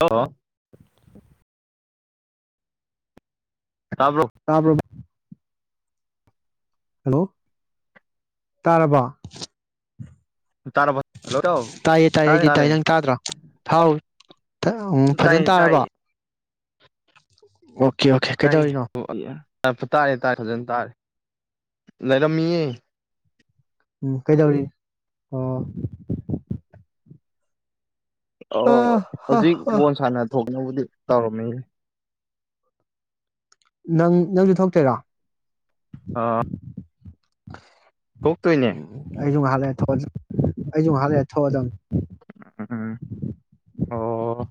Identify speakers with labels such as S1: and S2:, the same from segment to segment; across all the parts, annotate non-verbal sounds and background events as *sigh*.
S1: Hello
S2: *inaudible*
S1: ꯇꯥꯕ꯭ꯔꯣ
S2: ꯇꯥꯕ꯭ꯔ ꯕꯥꯏ ꯍꯜꯂꯣ ꯇꯥꯔꯕ
S1: ꯇꯥꯔꯕꯣ ꯍꯜꯂꯣ ꯏꯇꯥꯎ
S2: ꯇꯥꯏꯌꯦ ꯇꯥꯏꯌꯦ
S1: ꯇꯥꯔꯦ
S2: ꯑꯩꯗꯤ
S1: ꯇꯥꯔꯦ
S2: ꯇꯥꯏ ꯅꯪ ꯇꯥꯗ꯭ꯔꯣ ꯊꯥꯎ ꯎ ꯐꯖꯅ
S1: ꯇꯥꯏꯌꯦ
S2: ꯇꯥꯔꯕ *unintelligible* ꯑꯣꯀꯦ ꯀꯩꯗꯧꯔꯤꯅꯣ
S1: ꯇ ꯇꯥꯔꯦ ꯇꯥꯔꯦ ꯐꯖꯅ ꯇꯥꯔꯦ ꯂꯩꯔꯝꯃꯤꯌꯦ
S2: ꯎ ꯀꯩꯗꯧꯔꯤ ꯑꯣ
S1: ꯑ
S2: ꯍ
S1: ꯍꯧꯖꯤꯛ
S2: ꯍ
S1: ꯕꯣꯟ ꯁꯥꯅ ꯊꯣꯛꯒ ꯕꯨꯗꯤ ꯇꯧꯔꯣꯝꯃꯤ
S2: ꯅꯪ ꯅꯪꯁꯨ ꯊꯣꯛꯇꯣꯏꯔꯣ
S1: ꯑꯥ ꯊꯣꯛ ꯇꯣꯏꯅꯦ
S2: ꯑꯩꯁꯨ ꯉꯥꯏꯍꯛ ꯂꯩꯔ ꯊꯣꯛ ꯑꯩꯁꯨ ꯉꯥꯏꯍꯛ ꯊꯣꯛ ꯑꯗꯝꯅꯤ
S1: ꯎꯝ ꯑꯣ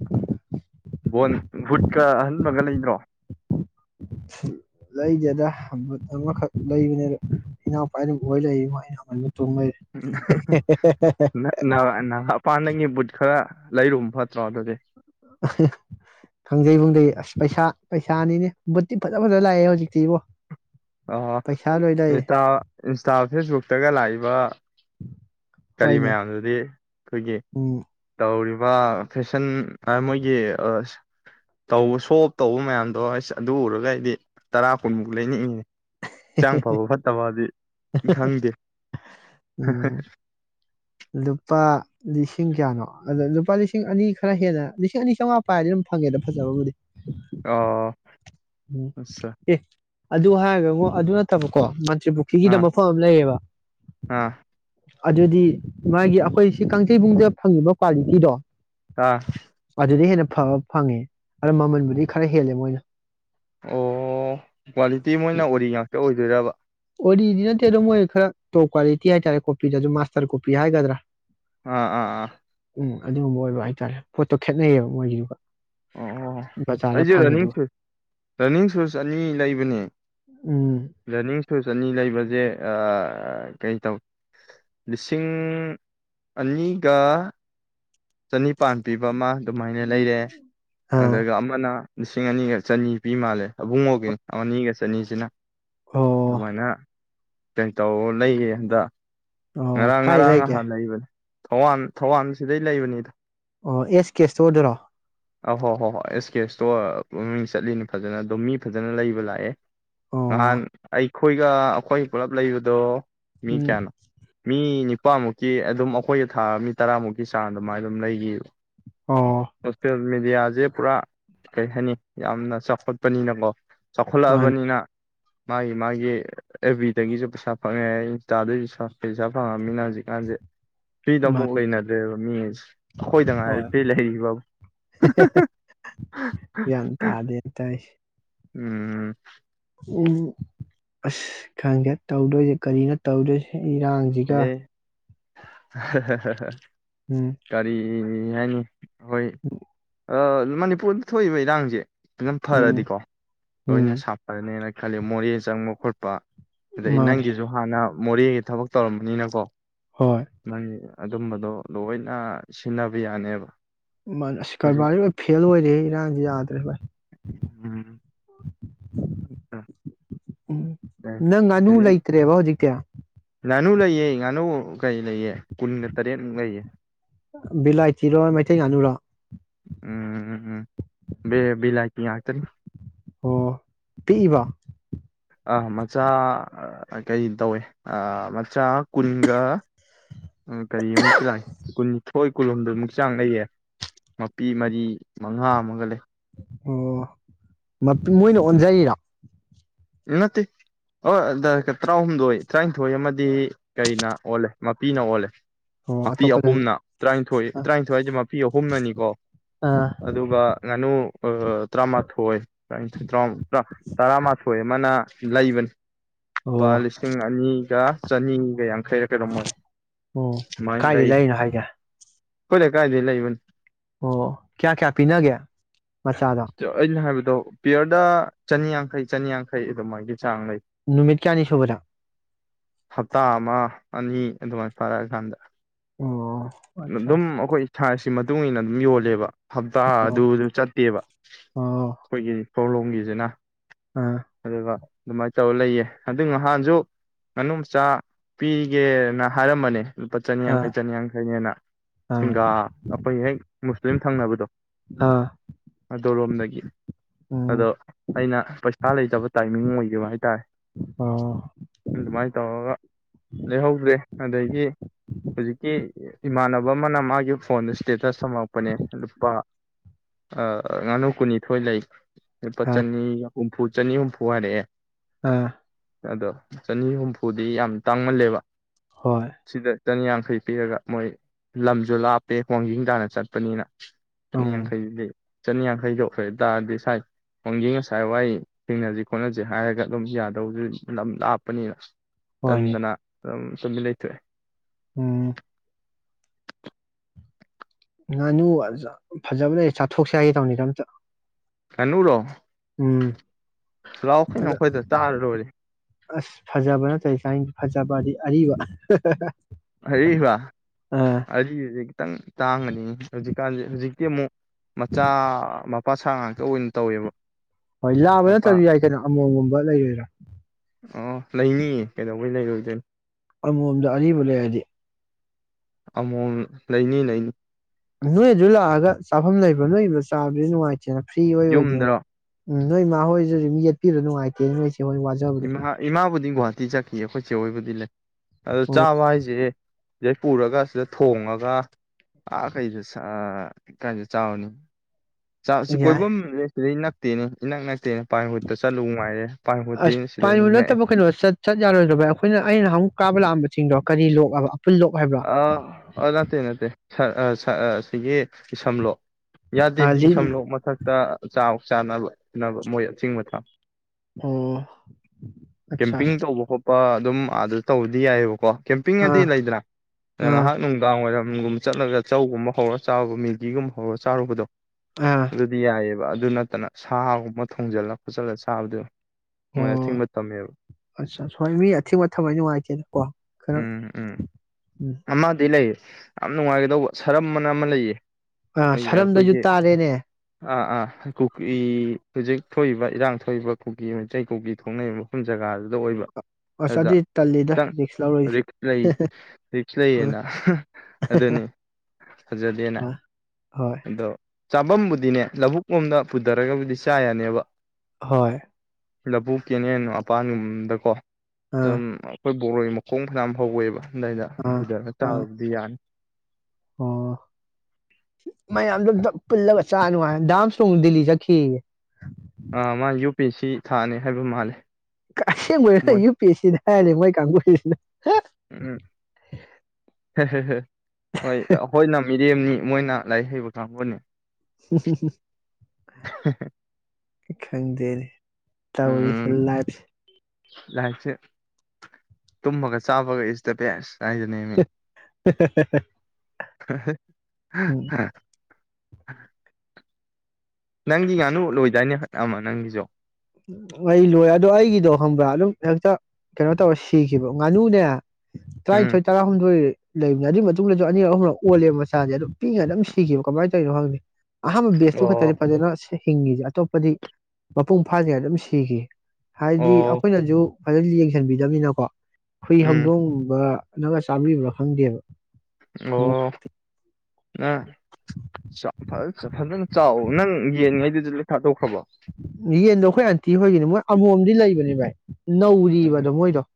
S1: ꯕꯣꯟ ꯕꯨꯠꯀ ꯑꯍꯟꯕꯒ ꯂꯩꯗ꯭ꯔꯣ
S2: ꯂꯩꯗꯦꯗ ꯕꯨꯛ ꯑꯃꯈꯛ ꯂꯩꯩꯕꯅꯦ ꯏꯅꯥꯎ ꯫꯫ ꯅꯣꯏ ꯂꯩꯔꯤ ꯑꯩꯅ *unintelligible*
S1: ꯅ ꯄꯥꯟ ꯅꯪꯒꯤ ꯕꯨꯠ ꯈꯔ ꯂꯩꯔꯨꯝꯕ ꯐꯠꯇ꯭ꯔꯣ ꯑꯗꯨꯗꯤ
S2: ꯀꯥꯡꯖꯩꯕꯨꯡꯗꯩ ꯑꯁ ꯄꯩꯁꯥ ꯄꯩꯁꯥꯅꯤꯅꯦ ꯕꯨꯠꯇꯤ ꯐꯖ ꯐꯖ ꯂꯥꯛꯑꯦ ꯍꯧꯖꯤꯛꯇꯤꯕꯣ
S1: ꯑꯣ
S2: ꯄꯩꯁꯥ ꯂꯣꯏ ꯂꯩꯔꯦ
S1: ꯏꯟꯁꯇꯥ ꯐꯦꯁꯕꯨꯛꯇꯒ ꯂꯥꯏꯕ ꯕꯥ ꯀꯔꯤ
S2: ꯍꯣꯏꯅꯦ
S1: ꯃꯌꯥꯝꯗꯨꯗꯤ ꯑꯩꯈꯣꯏꯒꯤ
S2: ꯎꯝ
S1: ꯇꯧꯔꯤꯕ ꯐꯦꯁꯟ ꯃꯣꯏꯒꯤ ꯇꯧꯕ ꯁꯣꯞ ꯇꯧꯕ ꯃꯌꯥꯝꯗꯣ ꯑꯁ ꯑꯗꯨ ꯎꯔꯒ ꯑꯩꯗꯤ ꯇꯔꯥ ꯀꯨꯟꯃꯨꯛ ꯂꯩꯅꯤꯡꯅꯤꯡꯉꯦ ꯍꯛꯆꯥꯡ ꯐꯕ ꯐꯠꯇꯕꯗꯤ ꯈꯪꯗꯦ
S2: ꯎꯝ ꯂꯨꯄꯥ ꯂꯤꯁꯤꯡ ꯀꯌꯥꯅꯣ ꯑꯗꯣ ꯂꯨꯄꯥ ꯂꯤꯁꯤꯡ ꯑꯅꯤ ꯈꯔ ꯍꯦꯟꯅ ꯂꯤꯁꯤꯡ ꯑꯅꯤ ꯆꯥꯝꯃꯉꯥ ꯄꯥꯏꯔꯗꯤ ꯑꯗꯨꯝ ꯐꯪꯉꯦꯗ ꯐꯖꯕꯕꯨꯗꯤ
S1: ꯑꯣ
S2: ꯎꯝ
S1: ꯑꯆꯥ
S2: ꯑꯦ ꯑꯗꯨ ꯍꯥꯏꯔꯒ ꯑꯗꯨ ꯅꯠꯇꯕꯀꯣ ꯇ꯭ꯔꯤꯄꯨ꯭ꯀꯤꯒꯤꯗ
S1: ꯑꯥ
S2: ꯃꯐꯝ ꯑꯃ ꯂꯩꯌꯦꯕ
S1: ꯑꯥ
S2: ꯑꯗꯨꯗꯤ ꯃꯥꯒꯤ ꯑꯩꯈꯣꯏ ꯁꯤ ꯀꯥꯡꯖꯩꯕꯨꯡꯗ ꯐꯪꯉꯤꯕ ꯀ꯭ꯋꯥꯂꯤꯇꯤꯗꯣ
S1: ꯑꯥ꯫
S2: ꯑꯗꯨꯗꯩ ꯍꯦꯟꯅ ꯐꯕ ꯐꯪꯉꯦ ꯑꯗꯣ ꯃꯃꯜꯕꯨꯗꯤ ꯈꯔ ꯍꯦꯜꯂꯦ ꯃꯣꯏꯅ꯫
S1: ꯑꯣ ꯀ꯭ꯋꯥꯂꯤꯇꯤ ꯃꯣꯏꯅ ꯑꯔꯤ ꯉꯥꯛꯇ ꯑꯣꯏꯗꯣꯏꯔꯥꯕ?
S2: ꯑꯣꯔꯤꯗꯤ ꯅꯠꯇꯦ ꯑꯗꯣ ꯃꯣꯏ ꯈꯔ ꯇꯣꯞ ꯀ꯭ꯋꯥꯂꯤꯇꯤ ꯍꯥꯏꯇꯥꯔꯦ ꯀꯣꯄꯤꯗꯖꯨ ꯃꯥꯁꯇꯔ ꯀꯣꯄꯤ ꯍꯥꯏꯒꯗ꯭ꯔꯥ꯫
S1: ꯑꯥ ꯑꯥ ꯑꯥ꯫
S2: ꯎꯝ ꯑꯗꯨꯒꯨꯝꯕ ꯑꯣꯏꯕ ꯍꯥꯏꯇꯥꯔꯦ ꯄꯣꯠꯇꯣ ꯈꯦꯠꯅꯩꯌꯦꯕ ꯃꯣꯏꯒꯤꯗꯨꯒ꯫
S1: ꯑꯣ ꯑꯣ
S2: ꯕꯖꯥꯔꯗ
S1: ꯑꯩꯖꯦ ꯔꯟꯅꯤꯡ
S2: ꯐꯪꯉꯤꯗꯨꯒ
S1: ꯁꯨꯁ ꯔꯟꯅꯤꯡ ꯁꯨꯁ ꯑꯅꯤ ꯂꯩꯕꯅꯦ
S2: ꯎꯝ
S1: *unintelligible* ꯁꯨꯁ ꯑꯅꯤ ꯂꯩꯕꯖꯦ ꯑꯥ ꯀꯩ ꯇꯧ ꯂꯤꯁꯤꯡ ꯑꯅꯤꯒꯥ ꯆꯅꯤꯄꯥꯟ ꯄꯤꯕ ꯑꯃ ꯑꯗꯨꯃꯥꯏꯅ ꯂꯩꯔꯦ꯫
S2: ꯑꯥ
S1: ꯑꯗꯒ ꯑꯃꯅ ꯂꯤꯁꯤꯡ ꯑꯅꯤꯒ ꯆꯅꯤ ꯄꯤ ꯃꯥꯜꯂꯦ ꯑꯕꯨꯡꯉꯣꯒꯤꯅꯤ ꯑꯅꯤꯒ ꯆꯅꯤꯖꯤꯅ꯫
S2: ꯑꯣ
S1: ꯗꯨꯃꯥꯏꯅꯥ ꯀꯦꯡꯇꯧꯔ ꯂꯩꯌꯦ ꯍꯟꯗ꯫
S2: ꯑꯣ
S1: ꯉꯔꯥꯡ
S2: ꯀꯥꯏ
S1: ꯉꯔꯥꯡ
S2: ꯂꯩꯒꯦ
S1: ꯉꯍꯥꯟ ꯂꯩꯕꯅꯦ꯫ ꯊꯧꯕꯥꯟ ꯊꯧꯕꯥꯟ ꯁꯤꯗꯩ ꯂꯩꯕꯅꯤꯗ꯫
S2: ꯑꯣ ꯑꯦꯁ ꯀꯦꯁꯇ ꯑꯣꯏꯗꯣꯏꯔꯣ?
S1: ꯑ ꯍꯣꯏ ꯍꯣꯏ ꯍꯣꯏ ꯑꯦꯁ ꯀꯦ ꯁ꯭ꯇꯣꯔ ꯃꯃꯤꯡ ꯆꯠꯂꯤꯅꯤ ꯐꯖꯅ ꯑꯗꯨꯝ ꯃꯤ ꯐꯖꯅ ꯂꯩꯕ ꯂꯥꯛꯑꯦ꯫ ꯅꯍꯥꯟ
S2: ꯑꯣ
S1: ꯑꯩ ꯑꯈꯣꯏꯒ ꯑꯈꯣꯏ ꯄꯨꯜꯂꯞ ꯂꯩꯕꯗꯣ ꯃꯤ *unintelligible* ꯃꯤꯅꯤ ꯂꯨꯄꯥꯃꯨꯛꯀꯤ ꯑꯗꯨꯝ ꯑꯩꯈꯣꯏꯗ ꯊꯥ ꯃꯤ ꯇꯔꯥꯃꯨꯛꯀꯤ ꯆꯥꯡ ꯑꯗꯨꯃꯥꯏꯅ ꯑꯗꯨꯝ ꯂꯩꯈꯤꯌꯦꯕ꯫
S2: ꯑꯣ
S1: *unintelligible* ꯑꯦꯔꯤꯌꯥꯁꯦ ꯄꯨꯔꯥ ꯀꯔꯤ ꯍꯥꯏꯅꯤ ꯌꯥꯝꯅ ꯆꯥꯎꯈꯠꯄꯅꯤꯅꯀꯣ꯫
S2: ꯃꯥꯅꯤ
S1: ꯆꯥꯎꯈꯠꯂꯛꯑꯕꯅꯤꯅ ꯃꯥꯒꯤ ꯃꯥꯒꯤ ꯑꯦꯕꯤꯗꯒꯤꯁꯨ ꯄꯩꯁꯥ ꯐꯪꯉꯦ ꯏꯟꯁꯇꯥꯗꯒꯤꯁꯨ ꯄꯩꯁꯥ ꯐꯪꯉꯕꯅꯤꯅ ꯍꯧꯖꯤꯛꯀꯥꯟꯁꯦ ꯐ꯭ꯔꯤꯗ ꯑꯃꯨꯛ
S2: ꯃꯥꯅꯤ
S1: ꯂꯩꯅꯗ꯭ꯔꯦꯕ ꯃꯤꯁꯦ ꯑꯩꯈꯣꯏꯗ ꯉꯥꯏꯔꯦ
S2: ꯍꯣꯏ
S1: ꯐ꯭ꯔꯤ ꯂꯩꯔꯤ
S2: ꯒ꯭ꯌꯥꯟ ꯇꯥꯗꯦ ꯇꯥꯏꯁꯦ
S1: *unintelligible* ꯎꯝ
S2: ꯎꯝ ꯑꯁ ꯈꯪꯒꯦ ꯇꯧꯗꯣꯏꯁꯦ ꯀꯔꯤꯅꯣ ꯇꯧꯗꯣꯏꯁꯦ ꯏꯔꯥꯡꯁꯤꯒ
S1: ꯑꯦ *unintelligible*
S2: ꯎꯝ
S1: ꯀꯔꯤ *unintelligible* ꯍꯣꯏ ꯑꯥ ꯃꯅꯤꯄꯨꯔꯗ ꯊꯣꯛꯏꯕ ꯏꯔꯥꯡꯁꯦ ꯑꯗꯨꯝ
S2: ꯎꯝ
S1: ꯐꯔꯗꯤꯀꯣ
S2: ꯎꯝ
S1: ꯂꯣꯏꯅ ꯁꯥꯐꯔꯅꯤꯅ ꯈꯜꯂꯦ ꯃꯣꯔꯦ ꯆꯪꯕ ꯈꯣꯠꯄ ꯑꯗꯩ
S2: ꯃꯥꯅꯦ
S1: ꯅꯪꯒꯤꯁꯨ ꯍꯥꯟꯅ ꯃꯣꯔꯦꯒꯤ ꯊꯕꯛ ꯇꯧꯔꯝꯕꯅꯤꯅꯀꯣ
S2: ꯍꯣꯏ
S1: *inaudible* ꯑꯗꯨꯝꯕꯗꯣ ꯂꯣꯏꯅ ꯁꯤꯟꯅꯕ ꯌꯥꯅꯦꯕ꯫
S2: *unintelligible*
S1: ꯍꯧꯖꯤꯛ
S2: ꯀꯔꯕꯥꯔ ꯂꯣꯏ ꯐꯦꯜ ꯑꯣꯏꯔꯦ ꯏꯔꯥꯡꯗꯤ ꯌꯥꯗ꯭ꯔꯦ ꯚꯥꯏ꯫
S1: ꯎꯝ *inaudible*
S2: ꯎꯝ ꯅꯪ ꯉꯥꯅꯨ
S1: ꯍꯧꯖꯤꯛ
S2: ꯂꯩꯇ꯭ꯔꯦꯕ ꯍꯧꯖꯤꯛꯇꯤ
S1: ꯉꯥꯅꯨ ꯂꯩꯌꯦ ꯉꯥꯅꯨ ꯀꯩ ꯂꯩꯌꯦ ꯀꯨꯟꯒ ꯇꯔꯦꯠꯃꯨꯛ ꯂꯩꯌꯦ꯫
S2: ꯕꯤꯂꯥꯏꯇꯤꯔꯣ ꯃꯩꯇꯩ ꯉꯅꯨꯔꯣ
S1: ꯎꯝ ꯎ ꯎꯝ ꯕꯤꯂꯥꯏꯇꯤ ꯉꯥꯛꯇꯅꯤ꯫
S2: ꯑꯣ ꯄꯤꯛꯏꯕ
S1: ꯑ ꯃꯆꯥ ꯀꯩ ꯇꯧꯋꯦ ꯃꯆꯥ ꯀꯨꯟꯒ ꯎꯝ ꯀꯔꯤꯃꯨꯛꯀꯤ ꯂꯥꯛꯏ ꯀꯨꯟꯅꯤꯊꯣꯏ ꯀꯨꯟꯍꯨꯝꯗꯣꯏꯃꯨꯛ ꯆꯥꯡ ꯂꯩꯌꯦ ꯃꯄꯤ ꯃꯔꯤ ꯃꯉꯥ ꯑꯃꯒ ꯂꯩ꯫
S2: ꯑꯣ ꯃꯇꯨ ꯃꯣꯏꯅ ꯑꯣꯟꯖꯔꯤꯔ꯫
S1: ꯅꯠꯇꯦ ꯑꯣ ꯗꯥ ꯇꯔꯥꯍꯨꯝꯗꯣꯏ ꯇꯔꯥꯅꯤꯊꯣꯏ ꯑꯃꯗꯤ ꯀꯩꯅ ꯑꯣꯜꯂꯦ ꯃꯄꯤꯅ ꯑꯣꯜꯂꯦ꯫
S2: ꯑꯣ
S1: ꯃꯄꯤ
S2: ꯑꯇꯣꯞꯄꯗ
S1: ꯑꯍꯨꯝꯅ ꯇꯔꯥꯅꯤꯊꯣꯏ ꯇꯔꯥꯅꯤꯊꯣꯏ ꯍꯥꯏꯁꯦ ꯃꯄꯤ ꯑꯍꯨꯝꯅꯅꯤꯀꯣ
S2: ꯑꯥ ꯑꯣ
S1: ꯑꯗꯨꯒ ꯉꯥꯅꯨ ꯍꯣꯏ ꯍꯣꯏ ꯇꯔꯥꯃꯥꯊꯣꯏ ꯇꯔꯥꯅꯤꯊꯣꯏ *unintelligible* ꯑꯥ ꯇꯔꯥꯃꯊꯣꯏ *unintelligible* ꯑꯃꯅ ꯂꯩꯕꯅꯦ꯫ ꯂꯨꯄꯥ ꯂꯤꯁꯤꯡ ꯑꯅꯤꯒ ꯆꯅꯤꯒ ꯌꯥꯡꯈꯩꯔ ꯀꯩꯅꯣꯝ ꯑꯣꯏ
S2: ꯑꯣ
S1: ꯁꯨꯃꯥꯏꯅ ꯂꯩ꯫
S2: ꯀꯥꯏꯗꯩ ꯂꯩꯔꯤꯅꯣ ꯍꯥꯏꯁꯦ
S1: ꯑꯩꯈꯣꯏ ꯂꯩꯀꯥꯏꯗꯩ ꯂꯩꯕꯅꯦ꯫
S2: ꯑꯣ ꯀꯌꯥ ꯀꯌꯥ ꯄꯤꯅꯒꯦ ꯃꯆꯥꯗꯣ
S1: ꯑꯗꯣ ꯄꯤꯌꯔꯗ ꯆꯅꯤꯌꯥꯡꯈꯩ ꯆꯅꯤꯌꯥꯡꯈꯩ ꯑꯗꯨꯃꯥꯥꯏꯗꯤ
S2: ꯅꯨꯃꯤꯠ ꯀꯌꯥꯅꯤ ꯁꯨꯕꯗ
S1: ꯍꯞꯇꯥ ꯑꯃ ꯑꯅꯤ ꯑꯗꯨꯃꯥꯏꯅ ꯐꯥꯔꯛꯑꯀꯥꯟꯗ꯫
S2: ꯑꯣ ꯑꯠꯆꯥ
S1: ꯑꯗꯨꯝ
S2: ꯑꯠꯆꯥ
S1: ꯑꯩꯈꯣꯏ ꯁꯥꯏꯁ ꯃꯇꯨꯡ ꯏꯟꯅ ꯑꯗꯨꯝ ꯌꯣꯜꯂꯦꯕ ꯍꯞꯇꯥ
S2: ꯑꯣ
S1: ꯑꯗꯨ ꯑꯗꯨ ꯆꯠꯇꯦꯕ
S2: ꯑꯣ
S1: ꯑꯩꯈꯣꯏꯒꯤ ꯊꯧꯂꯣꯝꯒꯤꯁꯤꯅ
S2: ꯑꯥ
S1: ꯑꯗꯨꯗ ꯑꯗꯨꯃꯥꯏꯅ ꯇꯧꯔꯂꯩꯌꯦ ꯑꯗꯨ ꯅꯍꯥꯟꯁꯨ ꯉꯥꯅꯨ ꯃꯆꯥ ꯄꯤꯒꯦꯅ ꯍꯥꯏꯔꯝꯕꯅꯦ ꯂꯨꯄꯥ ꯆꯅꯤꯌꯥꯡꯈꯩ
S2: ꯑꯥ
S1: ꯆꯅꯤꯌꯥꯡ *unintelligible*
S2: ꯑꯥ
S1: ꯁꯤꯡꯒꯥ ꯑꯩꯈꯣꯏ ꯍꯦꯛ ꯃꯨꯁꯂꯤꯝ ꯊꯪꯅꯕꯗꯣ
S2: ꯑꯥ
S1: ꯑꯗꯨꯗꯂꯣꯝꯗꯒꯤ
S2: ꯎꯝ
S1: ꯑꯗꯣ ꯑꯩꯅ ꯄꯩꯁꯥ ꯂꯩꯇꯕ ꯇꯥꯏꯃꯤꯡ ꯑꯣꯏꯈꯤꯕ ꯍꯥꯏꯇꯥꯔꯦ
S2: ꯑꯣ
S1: ꯑꯗꯨꯃꯥꯏꯅ ꯇꯧꯔꯒ ꯂꯩꯍꯧꯗ꯭ꯔꯦ ꯑꯗꯒꯤ ꯍꯧꯖꯤꯛꯀꯤ ꯏꯃꯥꯟꯅꯕ ꯑꯃꯅ ꯃꯥꯒꯤ ꯐꯣꯟꯗ ꯏꯁꯇꯦꯇ꯭ꯁ ꯊꯝꯃꯛꯄꯅꯦ ꯂꯨꯄꯥ ꯉꯥꯅꯨ ꯀꯨꯟꯅꯤꯊꯣꯏ ꯂꯩ ꯂꯨꯄꯥ
S2: ꯑꯥ
S1: ꯆꯥꯅꯤ ꯑꯍꯨꯝ ꯐꯨ ꯆꯅꯤꯍꯨꯝꯐꯨ ꯍꯥꯏꯔꯛꯑꯦ
S2: ꯑ
S1: ꯑꯗꯣ ꯆꯅꯤꯍꯨꯝꯐꯨꯗꯤ ꯌꯥꯝ ꯇꯥꯡꯃꯜꯂꯦꯕ
S2: ꯍꯣꯏ
S1: ꯁꯤꯗ ꯆꯅꯤꯌꯥꯡꯈꯩ ꯄꯤꯔꯒ ꯃꯣꯏ ꯂꯝꯁꯨ ꯂꯥꯞꯄꯦ ꯋꯥ꯭ꯡꯖꯤꯡ ꯇꯥꯟꯅ ꯆꯠꯄꯅꯤꯅ
S2: ꯎꯝ
S1: ꯆꯅꯤꯌꯥꯡꯈꯩ ꯂꯩ ꯆꯅꯤꯌꯥꯡꯈꯩꯗꯣ *unintelligible* ꯉꯁꯥꯏ ꯋꯥ ꯊꯦꯡꯅꯁꯤ ꯈꯣꯠꯅꯁꯤ ꯍꯥꯏꯔꯒ ꯑꯗꯨꯝ ꯌꯥꯗꯕꯁꯨ ꯑꯗꯨ ꯂꯥꯞꯄꯅꯤꯅ
S2: ꯍꯣꯏꯅꯦ
S1: ꯇꯟꯗꯅ *unintelligible* *unintelligible* ꯂꯩꯩꯇꯦ
S2: ꯎꯝ ꯉꯥꯅꯨ ꯐꯖꯕ ꯂꯩ ꯆꯥꯊꯣꯛꯁꯦ ꯍꯥꯏꯒ ꯇꯧꯅꯤꯗ ꯑꯝꯇ
S1: ꯑꯥꯅꯨꯔꯣ
S2: ꯎꯝ
S1: ꯂꯥꯎ
S2: ꯑꯗ
S1: ꯈꯣꯏꯅꯈꯣꯏꯗ ꯆꯥꯔ ꯂꯣꯏꯔꯦ
S2: ꯑꯁ ꯐꯖꯕ ꯅꯠꯇꯔꯗꯤ ꯆꯥꯅꯤꯡꯗꯦ ꯐꯖꯕꯗꯤ ꯑꯔꯤꯕ
S1: ꯑꯔꯤꯕ
S2: ꯑꯥ
S1: ꯑꯔꯤꯕꯁꯦ ꯈꯤꯇꯪ ꯇꯥꯡꯒꯅꯤꯉꯤ ꯍꯧꯖꯤꯛꯀꯥꯟꯁꯦ ꯍꯧꯖꯤꯛꯇꯤ ꯑꯃꯨꯛ ꯃꯆꯥ ꯃꯄꯥ ꯁꯥ ꯉꯥꯛꯇ ꯑꯣꯏꯅ ꯇꯧꯋꯦꯕ
S2: ꯍꯣꯏ ꯂꯥꯕ
S1: ꯃꯄꯥ
S2: ꯅꯠꯇ꯭ꯔꯁꯨ ꯌꯥꯏ ꯀꯩꯅꯣ ꯑꯃꯣꯝꯒꯨꯝꯕ ꯂꯩꯔꯣꯏꯗꯔꯥ
S1: ꯑꯣ ꯂꯩꯅꯤꯌꯦ ꯀꯩꯗꯧꯕꯩ ꯂꯩꯔꯣꯏꯗꯣꯏꯅꯤ
S2: ꯑꯃꯣꯝꯗ ꯑꯔꯤꯕ ꯂꯩꯔꯗꯤ
S1: ꯑꯃꯣꯝ ꯂꯩꯅꯤ ꯂꯩꯅꯤ
S2: ꯅꯣꯏ ꯑꯗꯨ ꯂꯥꯛꯑꯒ ꯆꯥꯐꯝ ꯂꯩꯕꯔ ꯅꯣꯏꯗꯨꯗ ꯆꯥꯕꯗꯤ ꯅꯨꯡꯉꯥꯏꯇꯦ ꯀꯩꯅꯣ ꯐ꯭ꯔꯤ ꯑꯣꯏ ꯑꯣꯏꯗꯦ
S1: ꯌꯨꯝꯗꯔꯣ
S2: ꯎꯝ ꯅꯣꯏ ꯃꯥ ꯍꯣꯏ ꯃꯤ ꯌꯦꯠꯄꯤꯔ ꯅꯨꯡꯉꯥꯏꯇꯦ ꯅꯣꯏ ꯍꯣꯏ ꯋꯥꯖꯕꯗꯣ
S1: ꯏꯃꯥ ꯏꯃꯥꯕꯨꯗꯤ ꯒꯣꯍꯥ ꯇꯤ ꯆꯠꯈꯤ ꯑꯩꯈꯣꯏ ꯍꯣꯏꯕꯨꯗꯤ ꯂꯩ ꯑꯗꯨ
S2: ꯑꯣ
S1: ꯆꯥꯕ ꯍꯥꯏꯁꯦ *unintelligible* ꯄꯨꯔꯒ ꯁꯤꯗ ꯊꯣꯡꯉꯒ ꯑꯥ ꯀꯩꯗ ꯀꯥꯏꯁꯨ ꯆꯥꯎꯔꯅꯤ ꯆꯥꯁꯤ
S2: ꯌꯥꯏ
S1: ꯀꯣꯏꯕꯝ ꯔꯦꯁꯇꯨꯔꯦꯟ ꯅꯛ *unintelligible* ꯄꯥꯏꯍꯨꯠꯇ ꯆꯠꯂꯨ ꯃꯥꯏꯔꯦ
S2: ꯑꯁ ꯄꯥꯃ ꯅꯠꯇꯕ ꯀꯩꯅꯣ ꯆꯠ ꯆꯠ ꯌꯥꯔꯣꯏꯗ꯭ꯔ ꯕꯥꯏ ꯑꯩꯈꯣꯏꯅ ꯑꯩꯅ ꯅꯍꯨꯛ ꯀꯥꯕ ꯂꯥꯛꯑꯝꯕ ꯁꯤꯡꯗꯣ ꯀꯔꯤ ꯂꯣꯛꯑꯕ
S1: ꯑ ꯅꯠꯇꯦ ꯅꯠꯇꯦ ꯑꯁꯤꯒꯤ ꯏꯁꯝꯂꯣ ꯌꯥꯗꯦ
S2: ꯑ
S1: ꯏꯁꯝ
S2: ꯂꯤ
S1: ꯂꯣꯛ ꯃꯊꯛꯇ ꯆꯥꯎ *unintelligible* ꯃꯣꯏ ꯑꯆꯤꯡꯕ *unintelligible*
S2: ꯑꯣ ꯑꯆꯥ
S1: ꯀꯦꯝꯄꯤꯡ ꯇꯧꯕ ꯈꯣꯠꯄ ꯑꯗꯨꯝ ꯑꯗꯨ ꯇꯧꯕꯗꯤ ꯌꯥꯏꯑꯕꯀꯣ ꯀꯦꯝꯄꯤꯡ ꯑꯥꯏꯗꯤ
S2: ꯑꯥ
S1: ꯂꯩꯗꯅ
S2: ꯑꯥ
S1: *unintelligible* ꯅꯨꯡꯗꯥ ꯋꯥꯏꯔꯝꯒꯨꯝꯕ ꯆꯠꯂꯒ ꯆꯧꯒꯨꯝꯕ ꯍꯧꯔ ꯆꯥꯔꯨꯕ ꯃꯤꯜꯒꯤꯒꯨꯝꯕ ꯍꯧꯔ ꯆꯥꯔꯨꯕꯗꯣ
S2: ꯑꯥ
S1: ꯑꯗꯨꯗꯤ ꯌꯥꯏꯌꯦꯕ꯫ ꯑꯗꯨ ꯅꯠꯇꯅ ꯁꯥꯒꯨꯝꯕ ꯊꯣꯡꯖꯤꯜꯂ ꯈꯣꯠꯆꯜꯂ ꯁꯥꯕꯗꯨ
S2: ꯑꯣ ꯑꯠꯁ ꯍꯣꯏ ꯃꯤ ꯑꯊꯤꯡꯕ ꯊꯝꯅꯤꯅ ꯅꯨꯡꯉꯥꯏꯇꯦꯗ ꯀꯣ ꯈꯔ
S1: ꯎꯝ ꯎꯝ
S2: ꯎꯝ
S1: *inaudible* ꯌꯥꯝ ꯅꯨꯡꯉꯥꯏꯒꯗꯧꯕ ꯁꯔꯝꯑꯅ ꯑꯃ ꯂꯩꯌꯦ
S2: ꯑ
S1: ꯑꯩꯈꯣꯏꯒꯤ
S2: ꯁꯔꯝꯗꯖꯨ
S1: ꯑꯩꯈꯣꯏꯒꯤ
S2: ꯇꯥꯔꯦꯅꯦ
S1: ꯑꯥ ꯑꯥ ꯀꯨꯀꯤ ꯍꯨꯖꯤꯛ ꯊꯣꯛꯏꯕ ꯏꯔꯥꯡ ꯊꯣꯛꯏꯕ ꯀꯨꯀꯤ ꯃꯇꯩ ꯀꯨꯀꯤ ꯊꯣꯛꯅꯩꯕ ꯃꯐꯝ ꯖꯒꯥꯗꯨꯗ ꯑꯣꯏꯕ
S2: ꯑꯁ
S1: ꯑꯗꯨꯗ
S2: ꯑꯗꯨꯗꯤ ꯇꯜꯂꯤꯗ
S1: ꯈꯤꯇꯪ
S2: ꯔꯤꯛꯁ ꯂꯧꯔꯣꯏꯁꯦ
S1: ꯔꯤꯛꯁ ꯂꯩ
S2: *unintelligible*
S1: ꯂꯩꯌꯦꯅ ꯍꯝ ꯑꯗꯨꯅꯤ ꯐꯖꯗꯦꯅ
S2: ꯍꯣꯏ ꯍꯣꯏ
S1: ꯑꯗꯣ ꯆꯥꯕꯝꯕꯨꯗꯤꯅꯦ ꯂꯧꯕꯨꯛ ꯂꯣꯝꯗ ꯄꯨꯊꯔꯒꯕꯨꯗꯤ ꯆꯥ ꯌꯥꯅꯦꯕ
S2: ꯍꯣꯏ
S1: ꯂꯕꯨꯨꯛ ꯀꯦꯅꯦꯅꯣ *unintelligible* ꯀꯣ
S2: ꯑꯥ
S1: ꯑꯗꯨꯝ ꯕꯣꯔꯣꯏ ꯃꯈꯣꯡ ꯐꯅꯥꯝ ꯍꯧꯋꯦꯕ ꯗ
S2: ꯑꯥ
S1: *unintelligible*
S2: ꯑꯥ
S1: ꯇꯥꯎꯔꯨꯕꯨꯗꯤ ꯌꯥꯅꯤ
S2: ꯑꯣ ꯃꯌꯥꯝꯗꯣ ꯄꯨꯜꯂꯒ ꯆꯥꯅꯅꯨꯡꯉ ꯗꯥꯝ ꯁꯨ ꯗꯤꯜꯂꯤ ꯆꯠꯈꯤꯒꯦ
S1: ꯄꯤꯁꯤ ꯊꯥꯅꯤ ꯍꯥꯏꯕ ꯃꯥꯜꯂꯦ
S2: ꯑꯁꯦꯡꯕꯩꯔꯣ
S1: ꯃꯣꯏ
S2: ꯌꯨ ꯄꯤ ꯑꯦꯁꯁꯤꯗ ꯍꯅꯦ ꯃꯣꯏ ꯀꯥꯡꯕꯨ *unintelligible*
S1: ꯎꯝ ꯍꯦ ꯍꯦ ꯍꯦ ꯍꯣꯏ ꯑꯈꯣꯏꯅ ꯃꯤꯔꯦꯝꯅꯤ ꯃꯣꯏꯅ ꯂꯥꯏꯔꯤꯛ ꯍꯩꯕ ꯀꯥꯡꯕꯨꯅꯦ
S2: *unintelligible* ꯈꯪꯗꯦꯅꯦ ꯇꯧꯔꯤꯁꯦ ꯂꯥꯏꯞꯁꯦ
S1: ꯂꯥꯏꯞꯁꯦ ꯇꯨꯝꯃꯒ ꯆꯥꯕꯒ ꯏꯁ ꯗ ꯕꯦꯁ ꯍꯥꯏꯖꯅꯤꯃꯤ
S2: *unintelligible* ꯎꯝ
S1: *unintelligible* ꯅꯪꯒꯤ ꯉꯥꯅꯨ ꯂꯣꯏꯗꯥꯏꯅꯦ *unintelligible* ꯅꯪꯒꯤꯁꯨꯣ
S2: ꯑꯩ ꯂꯣꯏ ꯑꯗꯣ ꯑꯩꯒꯤꯗꯣ ꯍꯪꯕ꯭ꯔꯥ ꯑꯗꯨꯝ ꯍꯦꯛꯇ ꯀꯩꯅꯣ ꯇꯧꯔ ꯁꯤꯈꯤꯕ ꯉꯥꯅꯨꯅꯦ
S1: ꯎꯝ
S2: ꯇꯔꯥꯅꯤꯊꯣꯏ ꯇꯔꯥꯍꯨꯝꯗꯣꯏ ꯂꯩꯕꯅꯦ ꯑꯗꯨꯒꯤ ꯃꯇꯨꯡꯗꯁꯨ ꯑꯅꯤꯔꯛ ꯑꯍꯨꯝꯂꯛ ꯑꯣꯜꯂꯦꯕ ꯃꯆꯥꯁꯦ ꯑꯗꯨꯝ ꯄꯤꯉ ꯑꯗꯨꯝ ꯁꯤꯈꯤꯕ ꯀꯃꯥꯏꯅ ꯇꯧꯔꯤꯅꯣ ꯍꯪꯉꯦ ꯑꯍꯥꯟꯕ ꯕꯦꯁꯇꯣ
S1: ꯑꯣ
S2: ꯈꯛꯇꯅꯦ *unintelligible* ꯍꯤꯡꯉꯤꯁꯦ ꯑꯇꯣꯞꯄꯗꯤ ꯃꯄꯨꯡ ꯐꯥꯖꯦ ꯑꯗꯨꯝ ꯁꯤꯈꯤ ꯍꯥꯏꯗꯤ
S1: ꯑꯣ
S2: ꯑꯩꯈꯣꯏꯅꯖꯨ ꯐꯖꯅꯖꯨ ꯌꯦꯡꯖꯟꯕꯤꯗꯝꯅꯤꯅꯀꯣ ꯍꯨꯏ
S1: ꯎꯝ
S2: ꯍꯧꯗꯣꯡꯎꯝꯕ ꯅꯒ ꯆꯥꯕꯤꯕ꯭ꯔꯥ ꯈꯪꯗꯦꯕ *unintelligible*
S1: ꯅ ꯐꯖ ꯐꯖꯅ ꯆꯥꯎ ꯅꯪ ꯌꯦꯟ ꯉꯩꯗꯨꯗꯤ ꯂꯣꯏ ꯊꯥꯗꯣꯛꯈ꯭ꯔꯕꯣ
S2: ꯌꯦꯟꯗꯣ ꯑꯩꯈꯣꯏ ꯑꯟꯇꯤ ꯍꯣꯏꯒꯤꯅꯤ ꯃꯣꯏ ꯑꯃꯣꯝꯗꯤ ꯂꯩꯕꯅꯤ ꯚꯥꯏ
S1: ꯎꯝ
S2: ꯅꯧꯔꯤꯕꯗꯣ ꯃꯣꯏꯗꯣ *inaudible*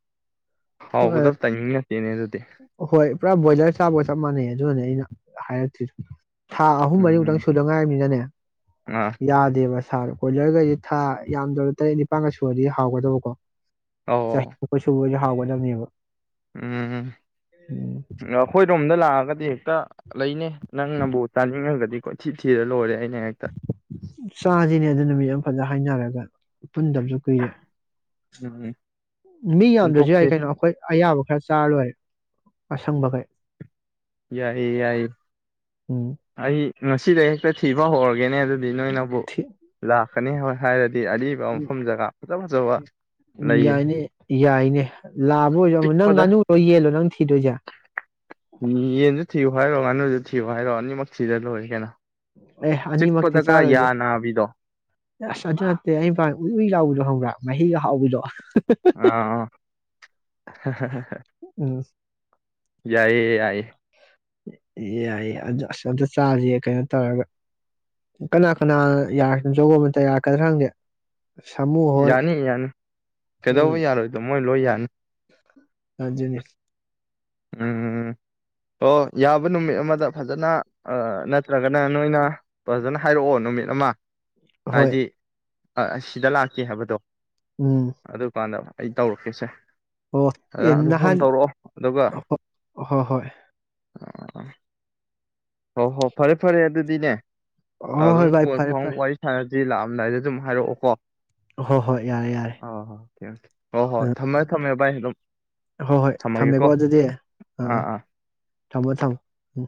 S1: ꯍꯥꯎꯒꯗꯕ ꯇꯥꯏꯃꯤꯡ ꯅꯠꯇꯦꯅꯦ ꯑꯗꯨꯗꯤ
S2: ꯍꯣꯏ ꯄꯨꯔꯥ ꯕꯣꯢꯂ꯭ꯔ ꯆꯥꯕꯒ ꯆꯞ ꯃꯥꯅꯩ꯫ ꯑꯗꯨꯅꯅꯦ ꯑꯩꯅ ꯍꯥꯏꯔꯛꯇ꯭ꯔꯤꯗꯣ ꯊꯥ ꯑꯍꯨꯝ
S1: ꯎꯝ
S2: ꯃꯔꯤꯃꯨꯛꯇꯪ ꯁꯨꯗꯉꯥꯏꯃꯤꯅꯅꯦ
S1: ꯑꯥ
S2: ꯌꯥꯗꯦꯕꯁ ꯀꯣꯏꯂꯔꯒꯩꯗꯤ ꯊꯥ ꯌꯥꯝꯗ꯭ꯔꯕ ꯇꯔꯦꯠ ꯅꯤꯄꯜꯒ ꯁꯨꯔꯗꯤ ꯍꯥꯎꯒꯗꯕꯀꯣ ꯌꯥꯏ
S1: ꯑꯧ
S2: ꯑꯈꯣꯏ ꯁꯨꯕ ꯌꯥꯏ ꯍꯥꯎꯒꯗꯅꯦꯕ
S1: ꯎꯝ ꯑꯩꯈꯣꯏ ꯔꯣꯝꯗ ꯂꯥꯛꯑꯒ ꯍꯦꯛꯇ ꯂꯩꯅꯦ ꯅꯪꯅꯕꯨ ꯆꯥꯅꯤꯡꯉꯒꯗꯤ ꯀꯣꯏ ꯊꯤ ꯊꯤꯔ ꯂꯣꯏꯔꯦ ꯑꯩ
S2: ꯆꯥꯁꯤꯅꯦ ꯑꯗꯨ ꯅꯨꯃꯤꯠ ꯌꯥꯝ ꯐꯖꯅ ꯍꯥꯏꯅꯔꯒ ꯄꯨꯟꯗꯕꯁꯨ ꯀꯨꯏꯔꯦ
S1: ꯎꯝ
S2: ꯃꯤ ꯌꯥꯝꯗ꯭ꯔꯁꯨ
S1: ꯄꯨꯟꯊꯣꯛꯁꯦ
S2: ꯌꯥꯏ ꯀꯩꯅꯣ ꯑꯩꯈꯣꯏ ꯑꯌꯥꯕ ꯈꯔ ꯆꯥꯔ ꯂꯣꯏꯦ ꯑꯁꯪꯕꯒꯩ
S1: ꯌꯥꯏ ꯌꯥꯏ ꯑꯩ ꯉꯁꯤꯗ ꯍꯦꯛꯇ ꯊꯤꯕ ꯍꯧꯔꯒꯦꯅꯦ ꯑꯗꯨ ꯕꯤꯅꯣ ꯅꯕꯨ ꯂ ꯀꯅꯤ ꯍꯣꯏ ꯍꯥꯏꯗꯤ ꯍꯥꯏ ꯑꯔꯤꯕ ꯃꯐꯝ ꯖꯒꯥ ꯐꯖ ꯐꯖꯕ ꯂꯩꯌꯦ
S2: ꯌꯥꯏꯅꯦ ꯌꯥꯏꯅꯦ ꯂꯥꯛꯕ ꯑꯣꯏꯔꯣꯝꯨꯣ ꯅꯪ ꯉꯥꯅꯨꯨꯔꯣ ꯌꯦꯜꯂꯣ ꯅꯪ ꯊꯤꯗꯣꯏꯁꯦ
S1: ꯅꯩꯅꯗꯨ ꯊꯤꯌꯣ ꯍꯥꯏꯔꯣ ꯑꯅꯤꯃꯛ ꯊꯤꯔ ꯂꯣꯏꯔꯦ ꯀꯩꯅꯣ
S2: ꯑꯦ ꯑꯅꯤꯃꯛꯇꯤ
S1: ꯆꯤꯛꯄꯗꯒ ꯌꯥ
S2: ꯆꯥꯔꯣꯏꯁꯦ
S1: ꯅꯥꯕꯤꯗꯣ
S2: ꯑꯁ ꯑꯗꯨ ꯅꯠꯇꯦ ꯑꯩ ꯄꯥꯝ ꯎꯏ ꯎꯏ ꯂꯥꯎꯕꯗꯣ ꯍꯪꯕ꯭ꯔꯥ ꯃꯍꯤꯒ ꯍꯥꯎꯕꯤꯗꯣ
S1: ꯑꯥ ꯍꯥꯍꯥꯍꯥꯍꯥ
S2: ꯎꯝ
S1: ꯌꯥꯏꯌꯦ ꯌꯥꯏ
S2: ꯌꯥꯏꯑꯦ ꯑꯗꯣ ꯑꯁ ꯑꯝꯇ ꯆꯥꯁꯤꯌꯦ ꯀꯩꯅꯣ ꯇꯧꯔꯒ ꯀꯅꯥ ꯀꯅꯥ ꯌꯥ ꯖꯒꯣ ꯑꯃꯇ ꯌꯥꯔꯛꯀꯗ꯭ꯔ ꯈꯪꯗꯦ ꯁꯥꯃꯨ ꯍꯣꯏ
S1: ꯌꯥꯅꯤ ꯌꯥꯅꯤ ꯀꯩꯗꯧꯕ
S2: ꯎꯝ
S1: ꯌꯥꯔꯣꯏꯗ ꯃꯣꯏ ꯂꯣꯏ ꯌꯥꯅꯤ
S2: *unintelligible*
S1: ꯎꯝ ꯑꯣ ꯌꯥꯕ ꯅꯨꯃꯤꯠ ꯑꯃꯗ ꯐꯖꯅ ꯑ ꯅꯠꯇ꯭ꯔꯒꯅ ꯅꯣꯏꯅ ꯐꯖꯅ ꯍꯥꯏꯔꯛꯑꯣ ꯅꯨꯃꯤꯠ ꯑꯃ
S2: ꯍꯣꯏ
S1: ꯍꯥꯏꯗꯤ ꯑꯥ ꯑꯁꯤꯗ ꯂꯥꯛꯀꯦ ꯍꯥꯏꯕꯗꯣ
S2: ꯎꯝ
S1: ꯑꯗꯨ ꯄꯥꯟꯅꯧ ꯑꯩ ꯇꯧꯔꯛꯀꯦꯁꯦ꯫
S2: ꯑꯣ
S1: ꯑꯌꯥ ꯑꯗꯨ ꯐꯣꯟ ꯇꯧꯔꯛꯑꯣ ꯑꯗꯨꯒ
S2: ꯍꯣ ꯍꯣꯏ
S1: ꯍꯣ ꯍꯣ ꯐꯔꯦ ꯐꯔꯦ ꯑꯗꯨꯗꯤꯅꯦ
S2: ꯍꯣꯏ
S1: ꯑꯗꯨꯝ
S2: ꯍꯣꯏ ꯚꯥꯏ ꯐꯔꯦ
S1: *unintelligible*
S2: ꯐꯔꯦ
S1: ꯋꯥꯔꯤ ꯁꯟꯅ ꯁꯤ ꯂꯥꯛꯑꯝꯗꯥꯏꯗ ꯑꯗꯨꯝ ꯍꯥꯏꯔꯛꯑꯣꯀꯣ꯫
S2: ꯍꯣꯏ ꯍꯣꯏ ꯌꯥꯔꯦ ꯌꯥꯔꯦ꯫
S1: ꯀꯌꯥ
S2: ꯑꯝ ꯍꯣꯏ ꯍꯣꯏ
S1: ꯊꯝꯃꯒꯦꯀꯣ
S2: ꯊꯝꯃꯦꯀꯣ ꯑꯗꯨꯗꯤ ꯑꯥ ꯑꯥ ꯊꯝꯃꯣ ꯊꯝꯃꯣ ꯎꯝ꯫